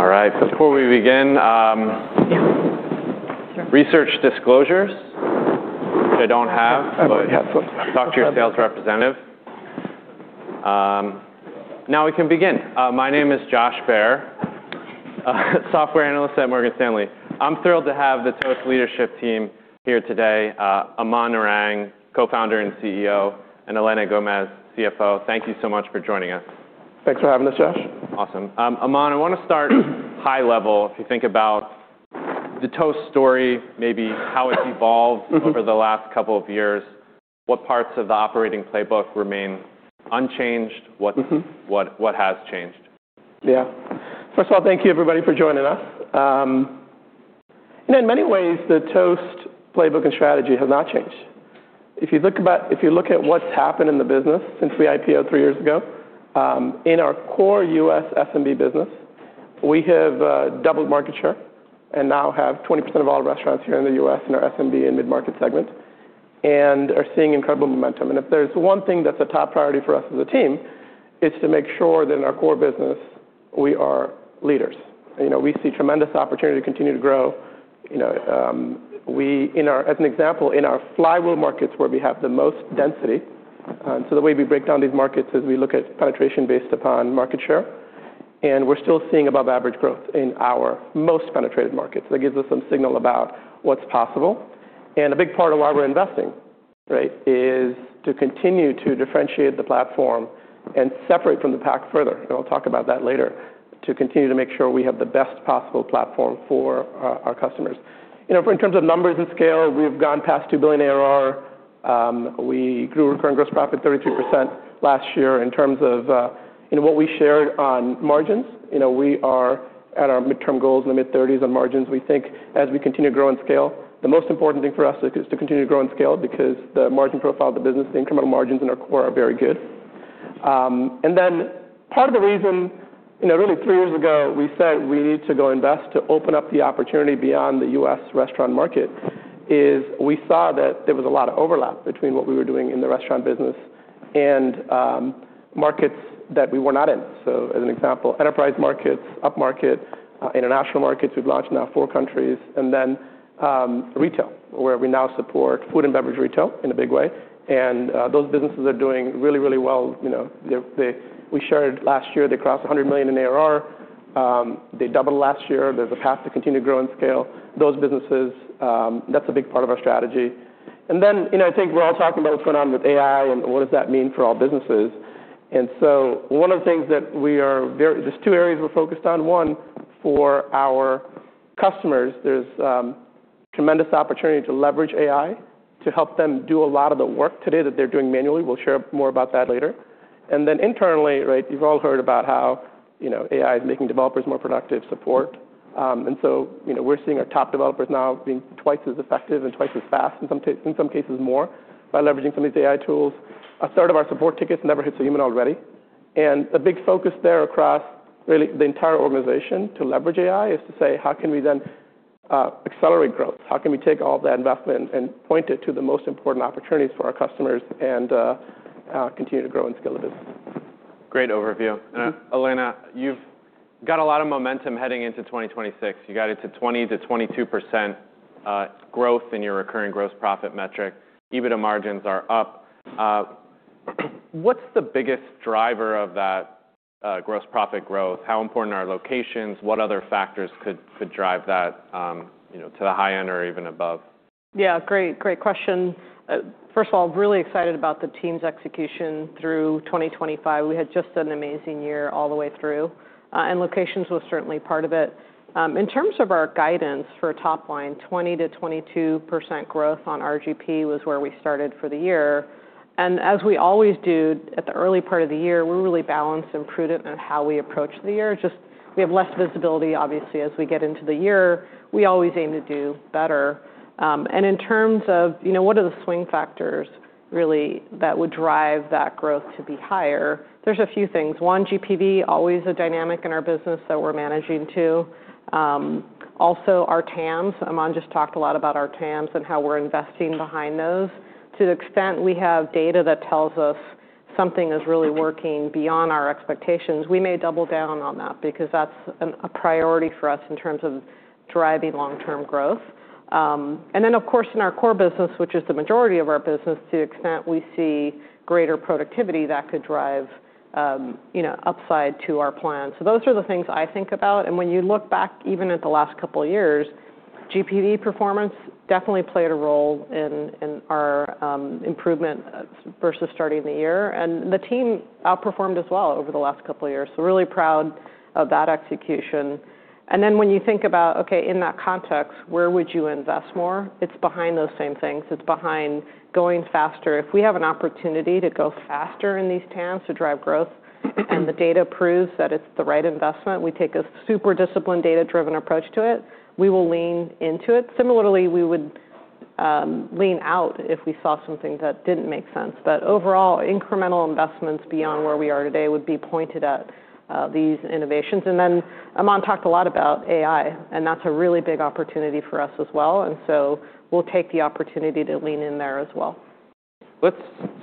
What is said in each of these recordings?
Before we begin, research disclosures, which I don't have. I believe you have some. Talk to your sales representative. Now we can begin. My name is Josh Baer, software analyst at Morgan Stanley. I'm thrilled to have the Toast leadership team here today. Aman Narang, Co-founder and CEO, and Elena Gomez, CFO. Thank you so much for joining us. Thanks for having us, Josh. Awesome. Aman, I wanna start high level. If you think about the Toast story, maybe how it's evolved. Over the last couple of years, what parts of the operating playbook remain unchanged? What has changed? Yeah. First of all, thank you, everybody, for joining us. In many ways, the Toast playbook and strategy has not changed. If you look at what's happened in the business since we IPO'd three years ago, in our core US SMB business, we have doubled market share and now have 20% of all restaurants here in the U.S. in our SMB and mid-market segment and are seeing incredible momentum. If there's one thing that's a top priority for us as a team, it's to make sure that in our core business, we are leaders. You know, we see tremendous opportunity to continue to grow. You know, as an example, in our flywheel markets where we have the most density, the way we break down these markets is we look at penetration based upon market share, and we're still seeing above average growth in our most penetrated markets. That gives us some signal about what's possible. A big part of why we're investing, right, is to continue to differentiate the platform and separate from the pack further, and I'll talk about that later, to continue to make sure we have the best possible platform for our customers. You know, in terms of numbers and scale, we've gone past $2 billion ARR. We grew recurring gross profit 32% last year. In terms of, you know, what we shared on margins, you know, we are at our midterm goals in the mid-30s on margins. We think as we continue to grow and scale, the most important thing for us is to continue to grow and scale because the margin profile of the business, the incremental margins in our core are very good. Part of the reason, you know, really three years ago, we said we need to go invest to open up the opportunity beyond the U.S. restaurant market, is we saw that there was a lot of overlap between what we were doing in the restaurant business and, markets that we were not in. As an example, enterprise markets, upmarket, international markets, we've launched now four countries, then, retail, where we now support food and beverage retail in a big way. Those businesses are doing really, really well. You know, we shared last year, they crossed $100 million in ARR. They doubled last year. There's a path to continue to grow and scale. Those businesses, that's a big part of our strategy. Then, you know, I think we're all talking about what's going on with AI and what does that mean for all businesses. One of the things that we are very, there's two areas we're focused on. One, for our customers, there's tremendous opportunity to leverage AI to help them do a lot of the work today that they're doing manually. We'll share more about that later. Then internally, right, you've all heard about how, you know, AI is making developers more productive, support. So, you know, we're seeing our top developers now being twice as effective and twice as fast, in some cases more, by leveraging some of these AI tools. 1/3 of our support tickets never hits a human already. The big focus there across really the entire organization to leverage AI is to say, how can we then accelerate growth? How can we take all that investment and point it to the most important opportunities for our customers and continue to grow and scale the business? Great overview. Elena, you've got a lot of momentum heading into 2026. You got it to 20%-22% growth in your recurring gross profit metric. EBITDA margins are up. What's the biggest driver of that gross profit growth? How important are locations? What other factors could drive that, you know, to the high end or even above? Yeah. Great, great question. First of all, really excited about the team's execution through 2025. We had just an amazing year all the way through. Locations was certainly part of it. In terms of our guidance for top line, 20%-22% growth on RGP was where we started for the year. As we always do at the early part of the year, we're really balanced and prudent in how we approach the year. Just, we have less visibility, obviously, as we get into the year. We always aim to do better. In terms of, you know, what are the swing factors really that would drive that growth to be higher? There's a few things. One, GPV, always a dynamic in our business that we're managing to. Also our TAMs. Aman just talked a lot about our TAMs and how we're investing behind those. To the extent we have data that tells us something is really working beyond our expectations, we may double down on that because that's a priority for us in terms of driving long-term growth. Of course, in our core business, which is the majority of our business, to the extent we see greater productivity that could drive, you know, upside to our plan. Those are the things I think about. When you look back even at the last couple of years, GPV performance definitely played a role in our improvement versus starting the year. The team outperformed as well over the last couple of years. Really proud of that execution. When you think about, okay, in that context, where would you invest more? It's behind those same things. It's behind going faster. If we have an opportunity to go faster in these TAMs to drive growth, and the data proves that it's the right investment, we take a super disciplined data-driven approach to it, we will lean into it. Similarly, we would lean out if we saw something that didn't make sense. Overall, incremental investments beyond where we are today would be pointed at these innovations. Aman talked a lot about AI, and that's a really big opportunity for us as well. We'll take the opportunity to lean in there as well. Let's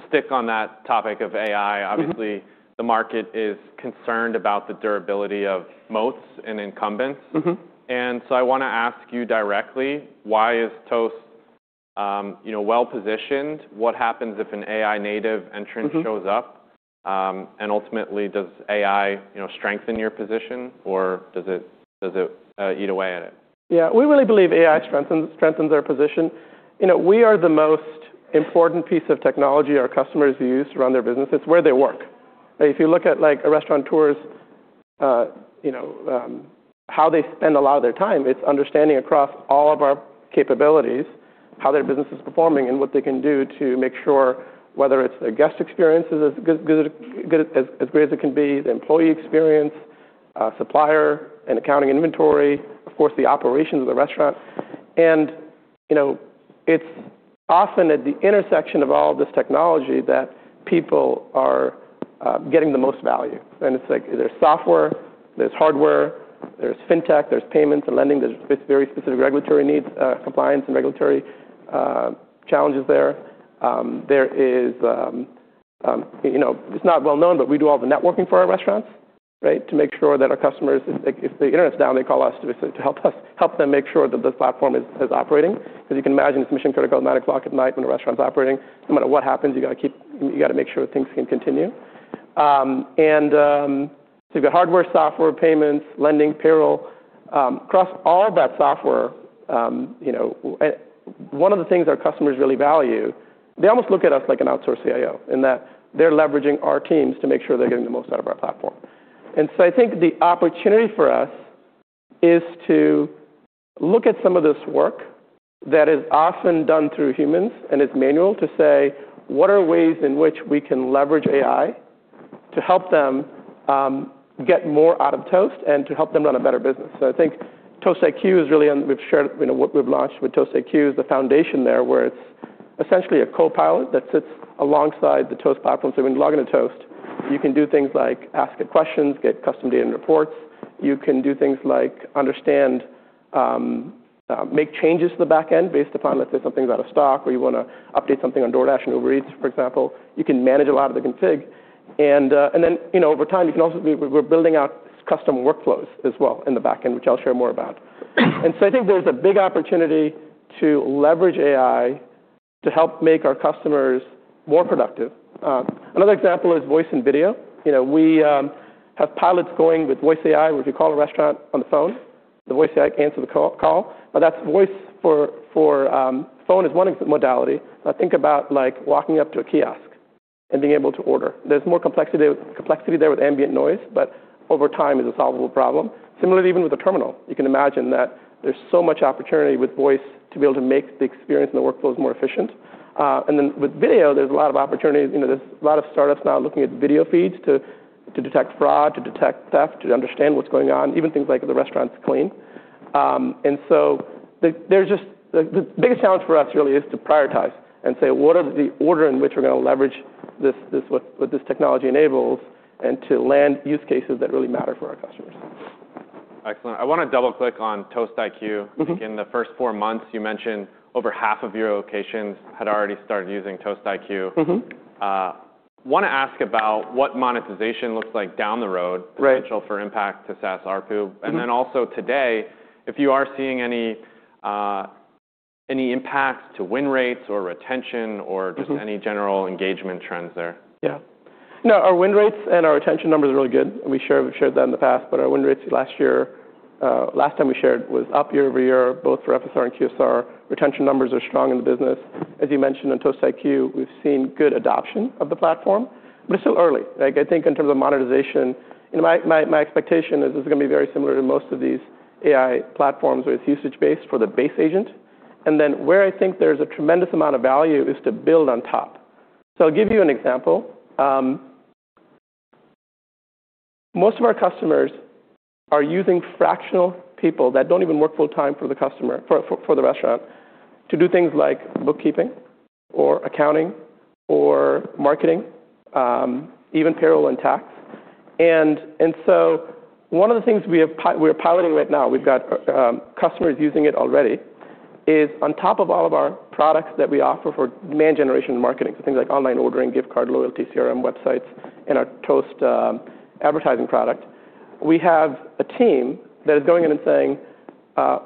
stick on that topic of AI. Obviously, the market is concerned about the durability of moats and incumbents. I wanna ask you directly, why is Toast, you know, well-positioned? What happens if an AI native entrant-... shows up? ultimately, does AI, you know, strengthen your position or does it eat away at it? Yeah. We really believe AI strengthens our position. You know, we are the most important piece of technology our customers use to run their business. It's where they work. If you look at, like, a restaurateur's, you know, how they spend a lot of their time, it's understanding across all of our capabilities how their business is performing and what they can do to make sure whether it's their guest experience is as great as it can be, the employee experience, supplier and accounting inventory, of course, the operations of the restaurant. You know, it's often at the intersection of all this technology that people are getting the most value. It's like there's software, there's hardware, there's fintech, there's payments and lending. There's very specific regulatory needs, compliance and regulatory challenges there. There is, you know, it's not well known, but we do all the networking for our restaurants, right? To make sure that our customers, if the internet's down, they call us to help us, help them make sure that the platform is operating. As you can imagine, it's mission critical 9:00 at night when a restaurant's operating. No matter what happens, you gotta make sure things can continue. We've got hardware, software, payments, lending, payroll. Across all that software, you know, one of the things our customers really value, they almost look at us like an outsourced CIO in that they're leveraging our teams to make sure they're getting the most out of our platform. I think the opportunity for us is to look at some of this work that is often done through humans, and it's manual to say, What are ways in which we can leverage AI to help them get more out of Toast and to help them run a better business? I think Toast IQ is really we've shared, you know, what we've launched with Toast IQ is the foundation there, where it's essentially a copilot that sits alongside the Toast platform. When you log into Toast, you can do things like ask it questions, get custom data and reports. You can do things like understand, make changes to the back end based upon let's say something's out of stock or you wanna update something on DoorDash and Uber Eats, for example. You can manage a lot of the config. You know, over time, you can also we're building out custom workflows as well in the back end, which I'll share more about. I think there's a big opportunity to leverage AI to help make our customers more productive. Another example is voice and video. You know, we have pilots going with voice AI, where if you call a restaurant on the phone, the voice AI can answer the call. That's voice for phone is one modality. Think about like walking up to a kiosk and being able to order. There's more complexity there with ambient noise, but over time is a solvable problem. Similarly, even with a terminal, you can imagine that there's so much opportunity with voice to be able to make the experience and the workflows more efficient. With video, there's a lot of opportunities. You know, there's a lot of startups now looking at video feeds to detect fraud, to detect theft, to understand what's going on, even things like if the restaurant's clean. There's just the biggest challenge for us really is to prioritize and say, What are the order in which we're gonna leverage this, what this technology enables and to land use cases that really matter for our customers? Excellent. I wanna double-click on Toast IQ. In the first four months, you mentioned over half of your locations had already started using Toast IQ. wanna ask about what monetization looks like down the road? Right... potential for impact to SaaS ARPU. Also today, if you are seeing any impact to win rates or retention?... just any general engagement trends there. Yeah. No, our win rates and our retention numbers are really good. We've shared that in the past, but our win rates last year, last time we shared was up year-over-year, both for FSR and QSR. Retention numbers are strong in the business. As you mentioned, in Toast IQ, we've seen good adoption of the platform, but it's still early. Like, I think in terms of monetization, you know, my expectation is this is gonna be very similar to most of these AI platforms, where it's usage-based for the base agent. Where I think there's a tremendous amount of value is to build on top. I'll give you an example. Most of our customers are using fractional people that don't even work full-time for the customer, for the restaurant, to do things like bookkeeping or accounting or marketing, even payroll and tax. One of the things we are piloting right now, we've got customers using it already, is on top of all of our products that we offer for demand generation marketing, so things like online ordering, gift card, loyalty, CRM, websites, and our Toast Advertising product, we have a team that is going in and saying,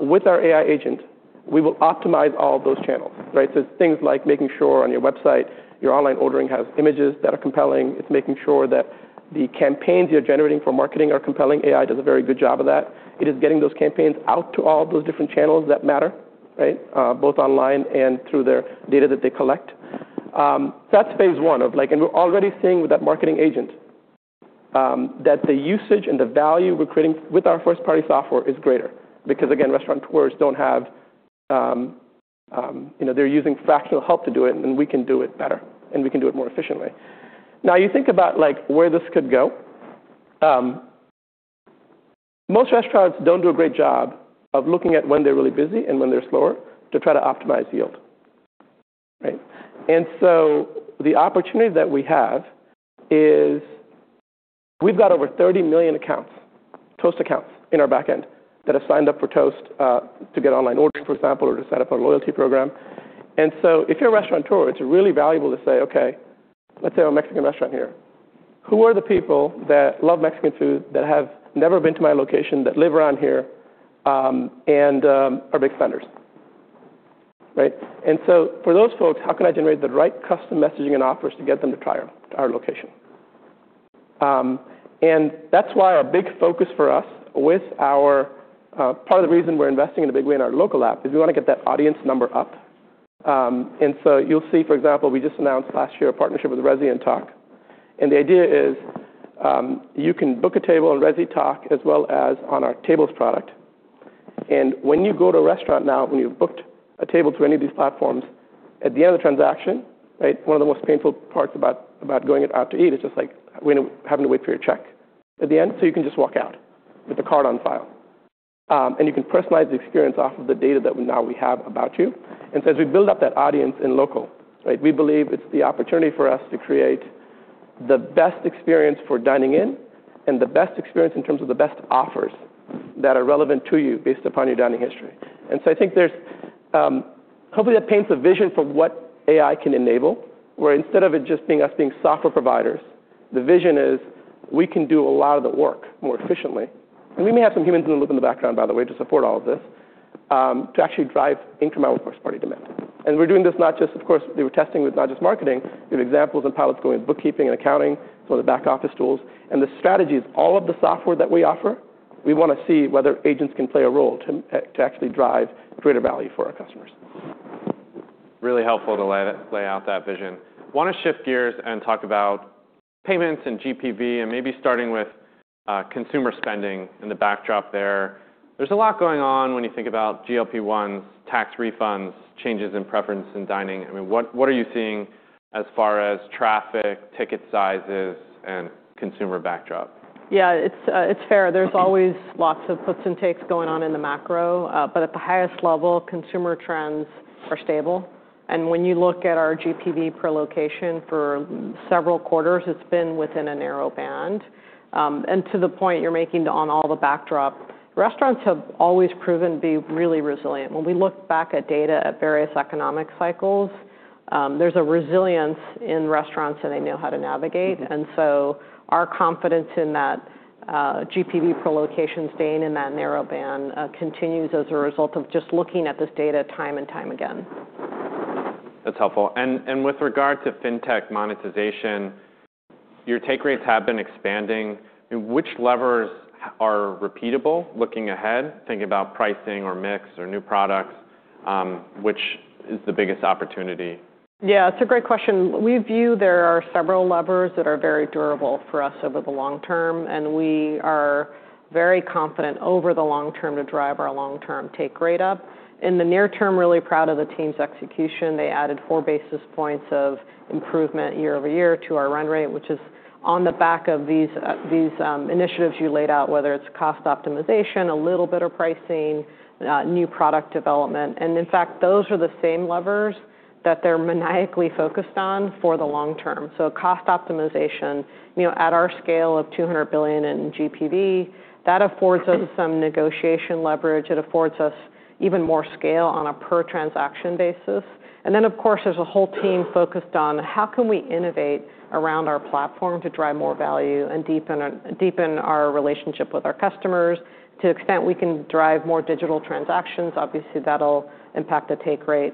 with our AI agent, we will optimize all of those channels, right? It's things like making sure on your website, your online ordering has images that are compelling. It's making sure that the campaigns you're generating for marketing are compelling. AI does a very good job of that. It is getting those campaigns out to all of those different channels that matter, right, both online and through their data that they collect. That's phase one of like. We're already seeing with that marketing agent, that the usage and the value we're creating with our first-party software is greater because, again, restaurateurs don't have, you know, they're using fractional help to do it, and we can do it better and we can do it more efficiently. You think about, like, where this could go. Most restaurants don't do a great job of looking at when they're really busy and when they're slower to try to optimize yield, right? The opportunity that we have is We've got over 30 million accounts, Toast accounts, in our backend that have signed up for Toast to get online orders, for example, or to set up a loyalty program. If you're a restaurateur, it's really valuable to say, Okay, let's say I'm a Mexican restaurant here. Who are the people that love Mexican food, that have never been to my location, that live around here, and are big spenders? Right? For those folks, how can I generate the right custom messaging and offers to get them to try our location? That's why a big focus for us with our Part of the reason we're investing in a big way in our local app is we wanna get that audience number up. You'll see, for example, we just announced last year a partnership with Resy and Tock, and the idea is, you can book a table on Resy, Tock, as well as on our Tables product. When you go to a restaurant now, when you've booked a table through any of these platforms, at the end of the transaction, right? One of the most painful parts about going out to eat is just, like, waiting, having to wait for your check at the end, so you can just walk out with a card on file. You can personalize the experience off of the data that now we have about you. As we build up that audience in local, right, we believe it's the opportunity for us to create the best experience for dining in and the best experience in terms of the best offers that are relevant to you based upon your dining history. I think there's. Hopefully, that paints a vision for what AI can enable, where instead of it just being us being software providers, the vision is we can do a lot of the work more efficiently. We may have some humans in the loop in the background, by the way, to support all of this to actually drive incremental first-party demand. We're doing this not just, of course, we were testing with not just marketing. We have examples and pilots going with bookkeeping and accounting, some of the back office tools. The strategy is all of the software that we offer, we wanna see whether agents can play a role to actually drive greater value for our customers. Really helpful to lay out that vision. Wanna shift gears and talk about payments and GPV and maybe starting with consumer spending and the backdrop there. There's a lot going on when you think about GLP-1s, tax refunds, changes in preference in dining. I mean, what are you seeing as far as traffic, ticket sizes, and consumer backdrop? Yeah. It's, it's fair. There's always lots of puts and takes going on in the macro. At the highest level, consumer trends are stable. When you look at our GPV per location for several quarters, it's been within a narrow band. To the point you're making on all the backdrop, restaurants have always proven to be really resilient. When we look back at data at various economic cycles, there's a resilience in restaurants, and they know how to navigate. Our confidence in that, GPV per location staying in that narrow band, continues as a result of just looking at this data time and time again. That's helpful. With regard to fintech monetization, your take rates have been expanding. Which levers are repeatable looking ahead? Thinking about pricing or mix or new products, which is the biggest opportunity? Yeah. It's a great question. We view there are several levers that are very durable for us over the long term, and we are very confident over the long term to drive our long-term take rate up. In the near term, really proud of the team's execution. They added four basis points of improvement year-over-year to our run rate, which is on the back of these these initiatives you laid out, whether it's cost optimization, a little bit of pricing, new product development. In fact, those are the same levers that they're maniacally focused on for the long term. Cost optimization, you know, at our scale of $200 billion in GPV, that affords us some negotiation leverage. It affords us even more scale on a per transaction basis. Of course, there's a whole team focused on: How can we innovate around our platform to drive more value and deepen our relationship with our customers? To the extent we can drive more digital transactions, obviously that'll impact the take rate.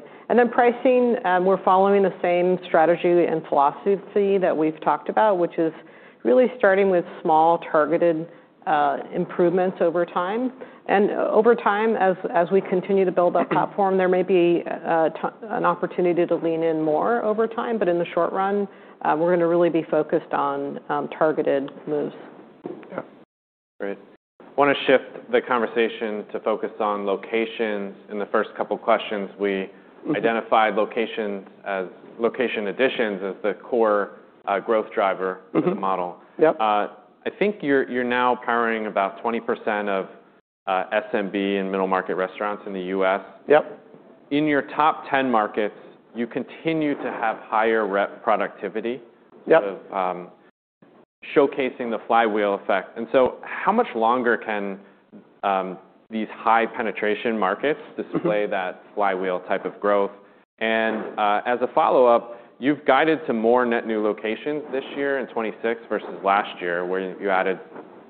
Pricing, we're following the same strategy and philosophy that we've talked about, which is really starting with small, targeted improvements over time. Over time, as we continue to build our platform, there may be an opportunity to lean in more over time. In the short run, we're gonna really be focused on targeted moves. Yeah. Great. Wanna shift the conversation to focus on locations. In the first couple questions. identified location additions as the core, growth driver. of the model. Yep. I think you're now powering about 20% of SMB and middle-market restaurants in the U.S. Yep. In your top 10 markets, you continue to have higher rep productivity. Yep. of, showcasing the flywheel effect. How much longer can these high-penetration markets display that flywheel type of growth? As a follow-up, you've guided to more net new locations this year in 2026 versus last year, where you added,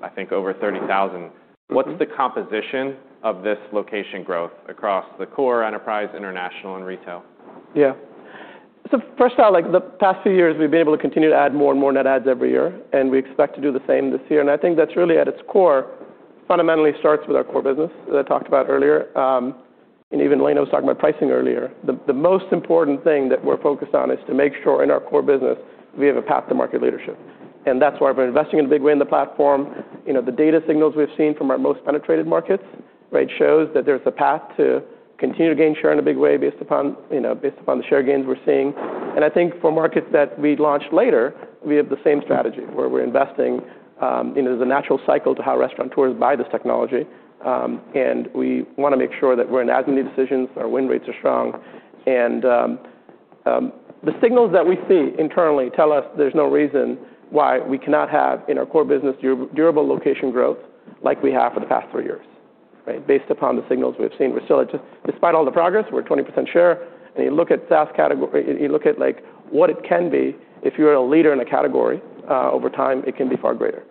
I think, over 30,000. What's the composition of this location growth across the core enterprise, international, and retail? Yeah. First out, like, the past few years, we've been able to continue to add more and more net adds every year, and we expect to do the same this year. I think that's really at its core, fundamentally starts with our core business that I talked about earlier. Even Elena was talking about pricing earlier. The most important thing that we're focused on is to make sure in our core business we have a path to market leadership. That's why we're investing in a big way in the platform. You know, the data signals we've seen from our most penetrated markets, right, shows that there's a path to continue to gain share in a big way based upon, you know, based upon the share gains we're seeing. I think for markets that we launch later, we have the same strategy, where we're investing, you know, there's a natural cycle to how restaurateurs buy this technology. And we wanna make sure that we're in as many decisions, our win rates are strong, and, the signals that we see internally tell us there's no reason why we cannot have, in our core business, durable location growth like we have for the past three years, right? Based upon the signals we've seen, we're still at just... Despite all the progress, we're at 20% share. You look at SaaS category, you look at, like, what it can be if you're a leader in a category, over time, it can be far greater.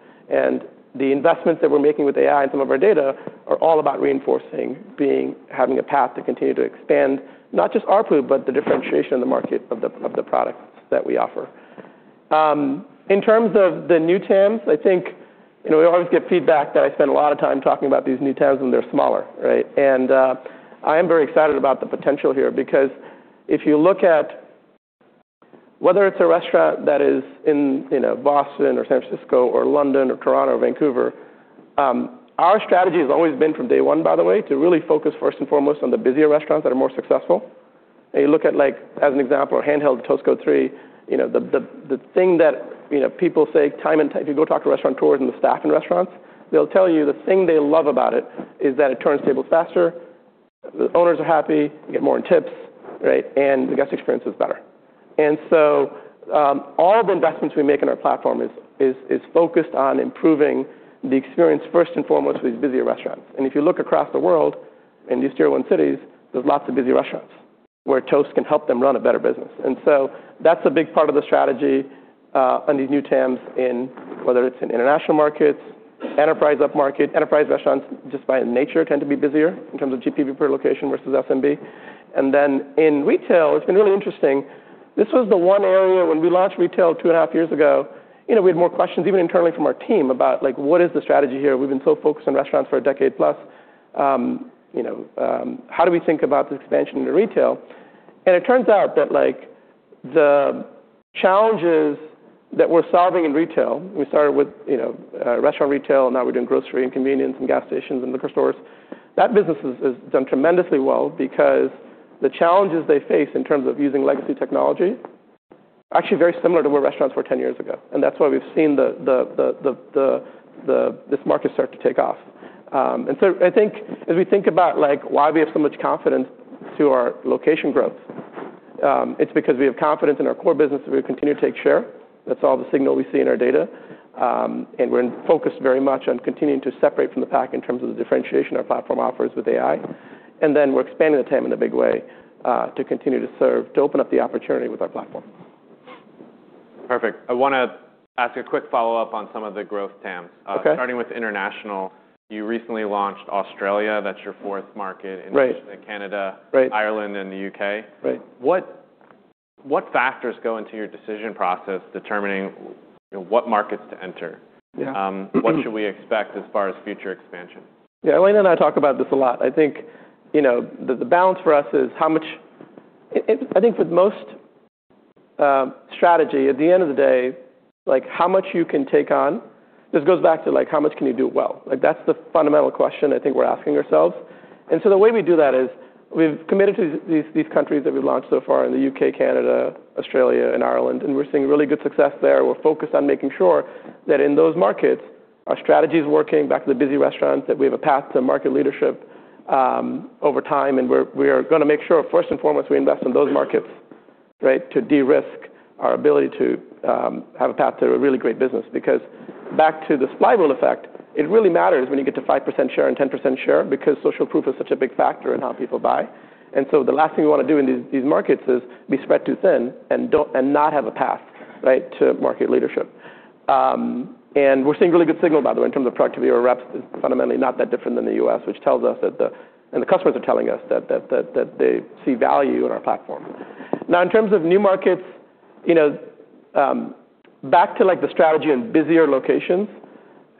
The investments that we're making with AI and some of our data are all about reinforcing having a path to continue to expand not just our pool, but the differentiation in the market of the products that we offer. In terms of the new TAMs, I think, you know, we always get feedback that I spend a lot of time talking about these new TAMs when they're smaller, right? I am very excited about the potential here because if you look at whether it's a restaurant that is in, you know, Boston or San Francisco or London or Toronto or Vancouver, our strategy has always been from day one, by the way, to really focus first and foremost on the busier restaurants that are more successful. You look at, like, as an example, our handheld, you know, the thing that, you know, people say time and time, if you go talk to restaurateurs and the staff in restaurants, they'll tell you the thing they love about it is that it turns tables faster, the owners are happy, they get more in tips, right, and the guest experience is better. All the investments we make in our platform is focused on improving the experience first and foremost with busier restaurants. If you look across the world in these tier one cities, there's lots of busy restaurants where Toast can help them run a better business. That's a big part of the strategy on these new TAMs in whether it's in international markets, enterprise upmarket. Enterprise restaurants just by nature tend to be busier in terms of GPV per location versus SMB. In retail, it's been really interesting. This was the one area when we launched retail 2.5 years ago, you know, we had more questions even internally from our team about, like, what is the strategy here? We've been so focused on restaurants for a decade plus. You know, how do we think about the expansion into retail? It turns out that, like, the challenges that we're solving in retail, we started with, you know, restaurant retail, and now we're doing grocery and convenience and gas stations and liquor stores. That business has done tremendously well because the challenges they face in terms of using legacy technology are actually very similar to where restaurants were 10 years ago. That's why we've seen this market start to take off. I think as we think about, like, why we have so much confidence to our location growth, it's because we have confidence in our core business that we continue to take share. That's all the signal we see in our data. We're focused very much on continuing to separate from the pack in terms of the differentiation our platform offers with AI. We're expanding the TAM in a big way, to continue to serve, to open up the opportunity with our platform. Perfect. I wanna ask a quick follow-up on some of the growth TAMs. Okay. Starting with international, you recently launched Australia. That's your fourth market- Right. in addition to Canada Right. Ireland and the U.K. Right. What factors go into your decision process determining, you know, what markets to enter? Yeah. What should we expect as far as future expansion? Yeah. Elena and I talk about this a lot. I think, you know, the balance for us is how much. I think for the most strategy, at the end of the day, like, how much you can take on, this goes back to, like, how much can you do well? That's the fundamental question I think we're asking ourselves. The way we do that is we've committed to these countries that we've launched so far in the U.K., Canada, Australia and Ireland, and we're seeing really good success there. We're focused on making sure that in those markets, our strategy is working back to the busy restaurants, that we have a path to market leadership over time. We are gonna make sure first and foremost, we invest in those markets, right, to de-risk our ability to have a path to a really great business. Because back to the flywheel effect, it really matters when you get to 5% share and 10% share because social proof is such a big factor in how people buy. The last thing we wanna do in these markets is be spread too thin and not have a path, right, to market leadership. We're seeing really good signal, by the way, in terms of productivity of our reps is fundamentally not that different than the U.S., which tells us that the customers are telling us that they see value in our platform. Now, in terms of new markets, you know, back to, like, the strategy in busier locations,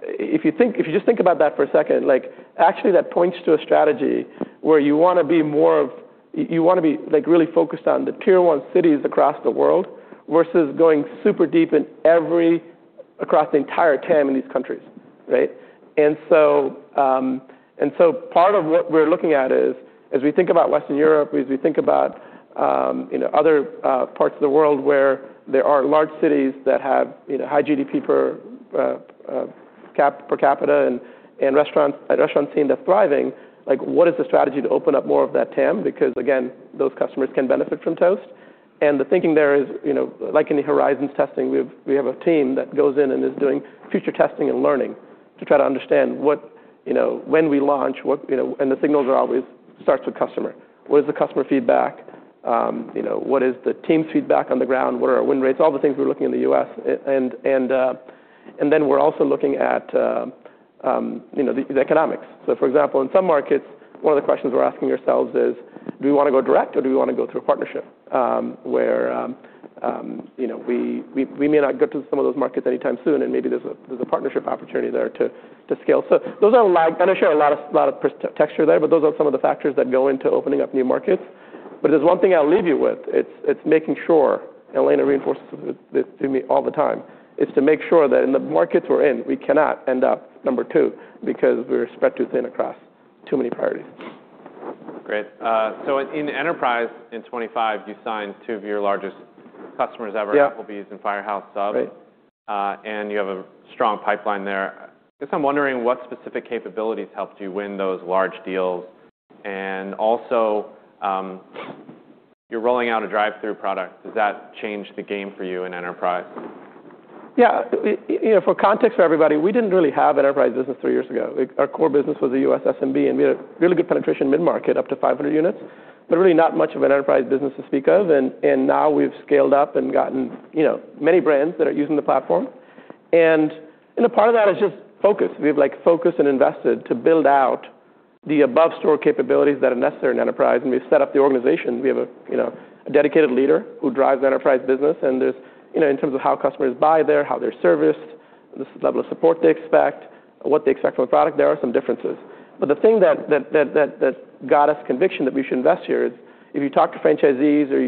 if you just think about that for a second, like, actually that points to a strategy where you wanna be more of, you wanna be, like, really focused on the tier one cities across the world versus going super deep across the entire TAM in these countries, right? Part of what we're looking at is as we think about Western Europe, as we think about, you know, other parts of the world where there are large cities that have, you know, high GPV per capita and restaurants, and restaurants seem to be thriving, like, what is the strategy to open up more of that TAM? Because again, those customers can benefit from Toast. The thinking there is, you know, like any horizons testing, we have a team that goes in and is doing future testing and learning to try to understand what, you know, when we launch, what, you know, and the signals are always starts with customer. What is the customer feedback? You know, what is the team's feedback on the ground? What are our win rates? All the things we're looking in the U.S. We're also looking at, you know, the economics. For example, in some markets, one of the questions we're asking ourselves is, do we wanna go direct or do we wanna go through a partnership, where, you know, we, we may not get to some of those markets anytime soon, and maybe there's a, there's a partnership opportunity there to scale. Those are like I know I shared a lot of texture there, but those are some of the factors that go into opening up new markets. There's one thing I'll leave you with. It's making sure, Elena reinforces this to me all the time, is to make sure that in the markets we're in, we cannot end up number two because we're spread too thin across too many priorities. Great. In enterprise in 2025, you signed two of your largest customers ever Applebee's and Firehouse Subs. Right. You have a strong pipeline there. Guess I'm wondering what specific capabilities helped you win those large deals? You're rolling out a drive-thru product. Does that change the game for you in enterprise? Yeah. You know, for context for everybody, we didn't really have an enterprise business three years ago. Like, our core business was the U.S. SMB. We had a really good penetration mid-market, up to 500 units, really not much of an enterprise business to speak of. Now we've scaled up and gotten, you know, many brands that are using the platform. A part of that is just focus. We've, like, focused and invested to build out the above store capabilities that are necessary in enterprise, and we've set up the organization. We have a, you know, a dedicated leader who drives enterprise business and there's... You know, in terms of how customers buy there, how they're serviced, the level of support they expect, what they expect from a product, there are some differences. The thing that got us conviction that we should invest here is if you talk to franchisees or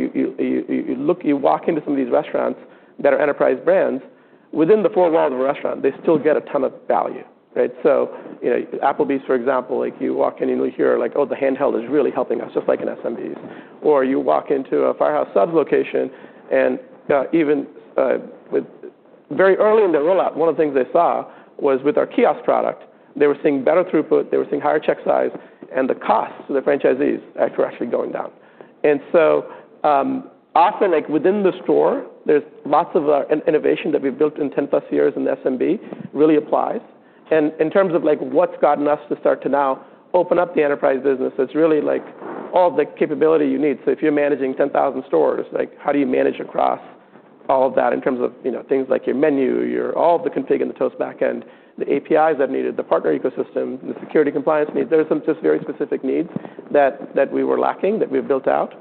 you walk into some of these restaurants that are enterprise brands, within the four walls of a restaurant, they still get a ton of value, right? You know, Applebee's, for example, like you walk in and you'll hear like, Oh, the handheld is really helping us, just like in SMBs. You walk into a Firehouse Subs location, and even Very early in their rollout, one of the things they saw was with our kiosk product, they were seeing better throughput, they were seeing higher check size, and the costs to the franchisees were actually going down. Often, like, within the store, there's lots of innovation that we've built in 10+ years in SMB really applies. In terms of, like, what's gotten us to start to now open up the enterprise business, it's really, like, all the capability you need. If you're managing 10,000 stores, like how do you manage across all of that in terms of, you know, things like your menu, your all the config in the Toast backend, the APIs that are needed, the partner ecosystem, the security compliance needs. There are some just very specific needs that we were lacking, that we've built out.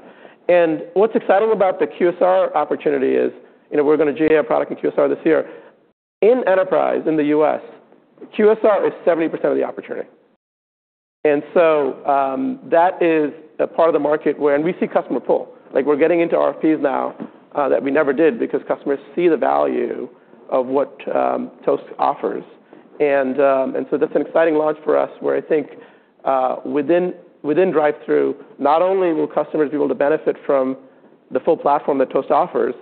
What's exciting about the QSR opportunity is, you know, we're gonna GA our product in QSR this year. In enterprise in the U.S., QSR is 70% of the opportunity. That is a part of the market where we see customer pull. Like, we're getting into RFPs now that we never did because customers see the value of what Toast offers. That's an exciting launch for us, where I think within drive-thru, not only will customers be able to benefit from the full platform that Toast offers,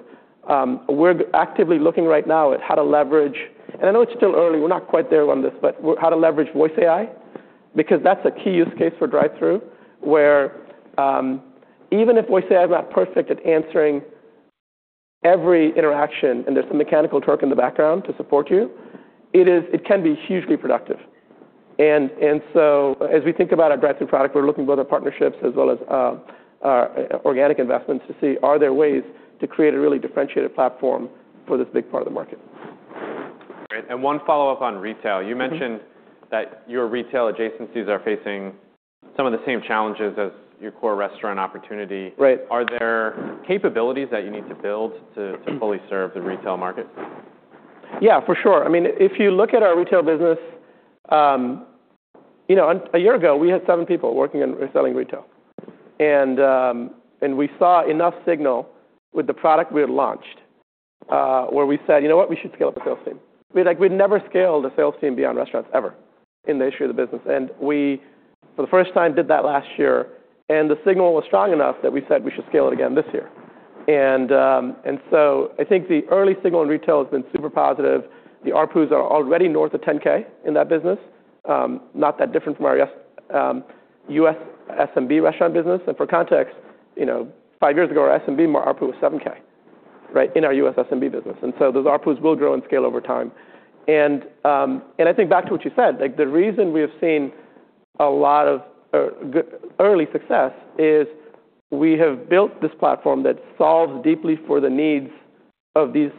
we're actively looking right now at how to leverage... And I know it's still early, we're not quite there on this, but how to leverage voice AI, because that's a key use case for drive-thru, where even if voice AI is not perfect at answering every interaction, and there's some mechanical torque in the background to support you, it can be hugely productive. As we think about our drive-thru product, we're looking both at partnerships as well as organic investments to see are there ways to create a really differentiated platform for this big part of the market. Great. One follow-up on retail. You mentioned that your retail adjacencies are facing some of the same challenges as your core restaurant opportunity. Right. Are there capabilities that you need to fully serve the retail market? Yeah, for sure. I mean, if you look at our retail business, you know, seven people working in selling retail. We saw enough signal with the product we had launched where we said, We should scale up the sales team. We're like, we'd never scaled a sales team beyond restaurants ever in the history of the business. We, for the first time, did that last year, and the signal was strong enough that we said we should scale it again this year. I think the early signal in retail has been super positive. The ARPUs are already north of $10,000 in that business, not that different from our U.S. SMB restaurant business. For context, you know, five years ago, our SMB ARPU was $7,000, right, in our U.S. SMB business. Those ARPUs will grow and scale over time. I think back to what you said, like the reason we have seen a lot of early success is we have built this platform that solves deeply for the needs of these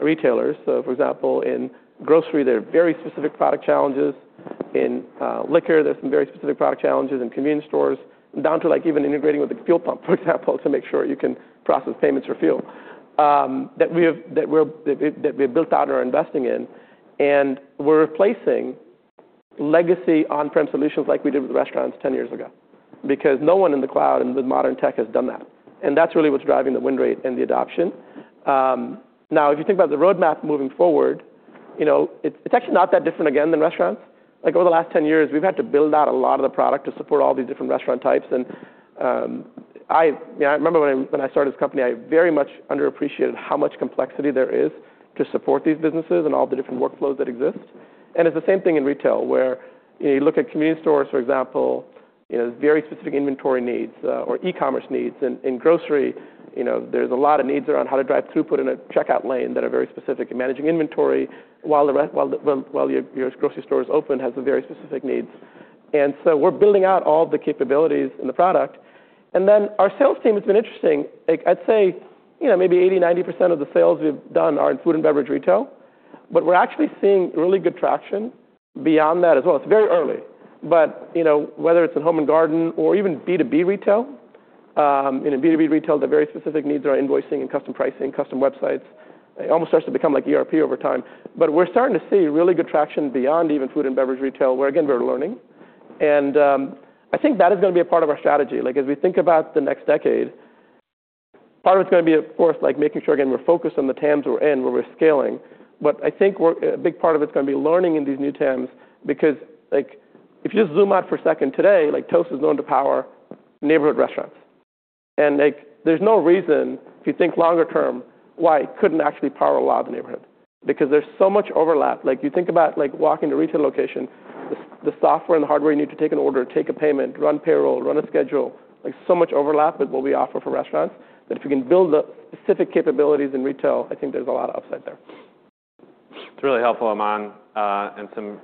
retailers. For example, in grocery, there are very specific product challenges. In liquor, there's some very specific product challenges. In convenience stores, down to like even integrating with the fuel pump, for example, to make sure you can process payments for fuel, that we have built out or are investing in. We're replacing legacy on-prem solutions like we did with restaurants 10 years ago, because no one in the cloud and with modern tech has done that. That's really what's driving the win rate and the adoption. Now if you think about the roadmap moving forward, you know, it's actually not that different again than restaurants. Like over the last 10 years, we've had to build out a lot of the product to support all these different restaurant types. You know, I remember when I started this company, I very much underappreciated how much complexity there is to support these businesses and all the different workflows that exist. It's the same thing in retail, where you look at convenience stores, for example, you know, there's very specific inventory needs, or e-commerce needs. In grocery, you know, there's a lot of needs around how to drive throughput in a checkout lane that are very specific in managing inventory, while your grocery store is open has some very specific needs. We're building out all the capabilities in the product. Our sales team has been interesting. Like I'd say, you know, maybe 80%, 90% of the sales we've done are in food and beverage retail, but we're actually seeing really good traction beyond that as well. It's very early, but, you know, whether it's in home and garden or even B2B retail, you know, B2B retail, the very specific needs are invoicing and custom pricing, custom websites. It almost starts to become like ERP over time. We're starting to see really good traction beyond even food and beverage retail, where again, we're learning. I think that is gonna be a part of our strategy. Like, as we think about the next decade, part of it's gonna be, of course, like making sure, again, we're focused on the TAMs we're in, where we're scaling. I think a big part of it's gonna be learning in these new TAMs, because if you just zoom out for second, today, like Toast is known to power neighborhood restaurants. Like, there's no reason, if you think longer term, why it couldn't actually power a lot of the neighborhood because there's so much overlap. You think about, like, walking to retail location, the software and the hardware you need to take an order, take a payment, run payroll, run a schedule, like so much overlap with what we offer for restaurants, that if we can build the specific capabilities in retail, I think there's a lot of upside there. It's really helpful, Aman, and some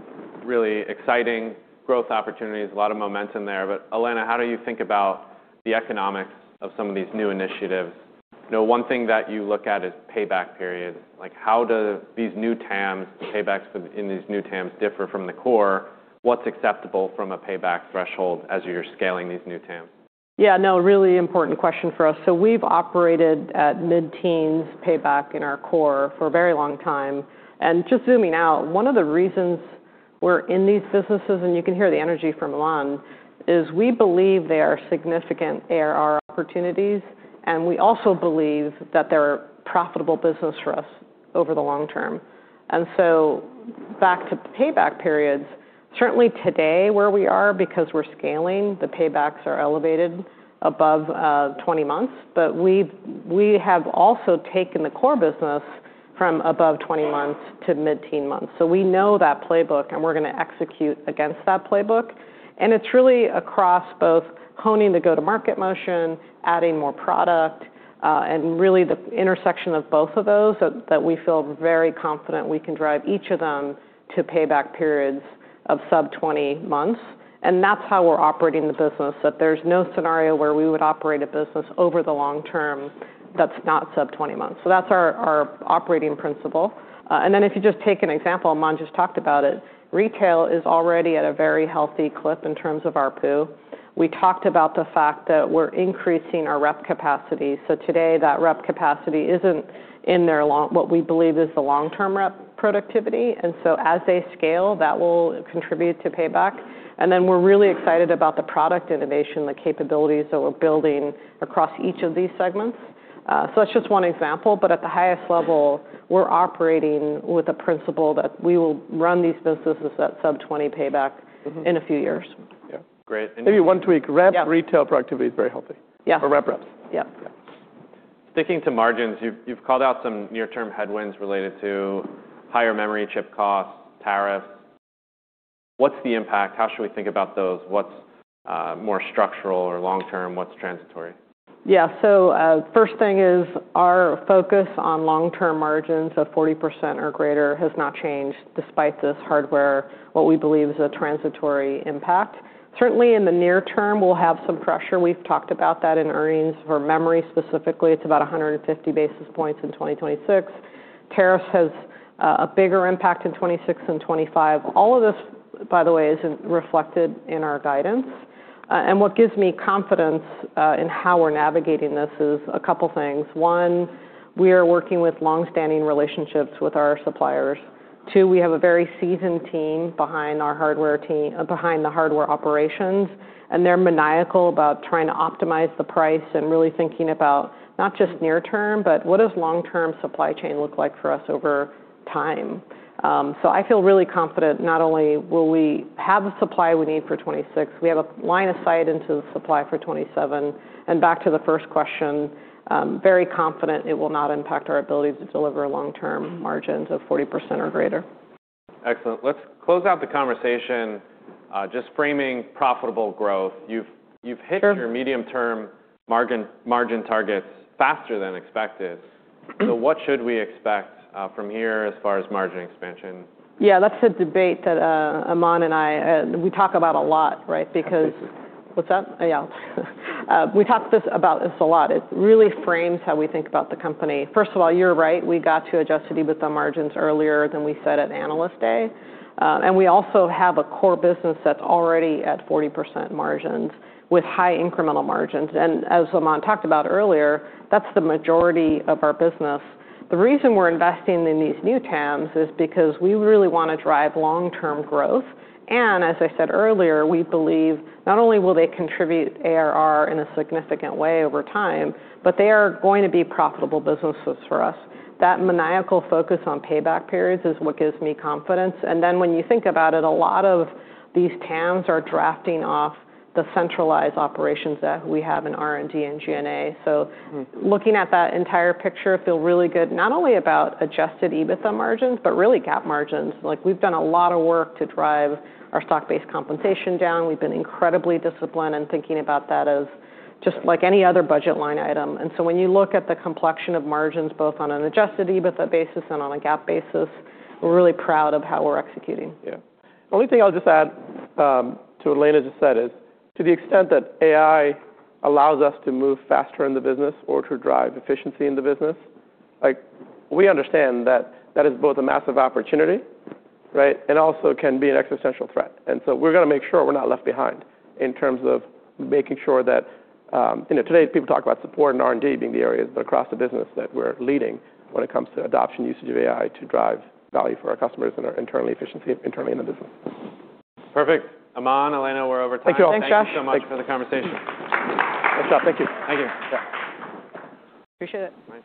really exciting growth opportunities, a lot of momentum there. Elena, how do you think about the economics of some of these new initiatives? You know, one thing that you look at is payback period. Like, how do these new TAMs, paybacks in these new TAMs differ from the core? What's acceptable from a payback threshold as you're scaling these new TAMs? Yeah, no, really important question for us. We've operated at mid-teens payback in our core for a very long time. Just zooming out, one of the reasons we're in these businesses, and you can hear the energy from Aman, is we believe they are significant ARR opportunities, and we also believe that they're profitable business for us over the long term. Back to payback periods, certainly today where we are, because we're scaling, the paybacks are elevated above 20 months. We have also taken the core business from above 20 months to mid-teen months. We know that playbook, and we're gonna execute against that playbook. It's really across both honing the go-to-market motion, adding more product, and really the intersection of both of those that we feel very confident we can drive each of them to payback periods of sub 20 months. That's how we're operating the business, that there's no scenario where we would operate a business over the long term that's not sub 20 months. That's our operating principle. Then if you just take an example, Aman just talked about it, retail is already at a very healthy clip in terms of ARPU. We talked about the fact that we're increasing our rep capacity. Today, that rep capacity isn't in their what we believe is the long-term rep productivity. As they scale, that will contribute to payback. we're really excited about the product innovation, the capabilities that we're building across each of these segments. that's just one example. at the highest level, we're operating with the principle that we will run these businesses at sub 20 payback-. in a few years. Yeah. Great. Maybe one tweak. Yeah. Rep retail productivity is very healthy. Yeah. For reps. Yeah. Yeah. Sticking to margins, you've called out some near-term headwinds related to higher memory chip costs, tariffs. What's the impact? How should we think about those? What's more structural or long-term? What's transitory? First thing is our focus on long-term margins of 40% or greater has not changed despite this hardware, what we believe is a transitory impact. Certainly, in the near term, we'll have some pressure. We've talked about that in earnings. For memory specifically, it's about 150 basis points in 2026. Tariffs has a bigger impact in 2026 and 2025. All of this, by the way, is reflected in our guidance. What gives me confidence in how we're navigating this is a couple things. One, we are working with long-standing relationships with our suppliers. Two, we have a very seasoned team behind the hardware operations, and they're maniacal about trying to optimize the price and really thinking about not just near term, but what does long-term supply chain look like for us over time. I feel really confident not only will we have the supply we need for 26, we have a line of sight into the supply for 27. Back to the first question, very confident it will not impact our ability to deliver long-term margins of 40% or greater. Excellent. Let's close out the conversation, just framing profitable growth. You've. Sure. your medium-term margin targets faster than expected. What should we expect from here as far as margin expansion? Yeah. That's a debate that, Aman and I, we talk about a lot, right? Absolutely. What's that? Yeah. We talk about this a lot. It really frames how we think about the company. First of all, you're right. We got to adjusted EBITDA margins earlier than we said at Analyst Day. We also have a core business that's already at 40% margins with high incremental margins. As Aman talked about earlier, that's the majority of our business. The reason we're investing in these new TAMs is because we really wanna drive long-term growth. As I said earlier, we believe not only will they contribute ARR in a significant way over time, but they are going to be profitable businesses for us. That maniacal focus on payback periods is what gives me confidence. When you think about it, a lot of these TAMs are drafting off the centralized operations that we have in R&D and G&A. So- looking at that entire picture, feel really good, not only about adjusted EBITDA margins, but really GAAP margins. Like, we've done a lot of work to drive our stock-based compensation down. We've been incredibly disciplined in thinking about that as just like any other budget line item. When you look at the complexion of margins, both on an adjusted EBITDA basis and on a GAAP basis, we're really proud of how we're executing. Yeah. Only thing I'll just add to what Elena just said is to the extent that AI allows us to move faster in the business or to drive efficiency in the business, like we understand that that is both a massive opportunity, right, and also can be an existential threat. We're gonna make sure we're not left behind in terms of making sure that You know, today people talk about support and R&D being the areas, but across the business that we're leading when it comes to adoption usage of AI to drive value for our customers and our internally in the business. Perfect. Aman, Elena, we're over time. Thank you all. Thanks, Josh. Thank you so much for the conversation. Nice job. Thank you. Thank you. Yeah. Appreciate it. Nice.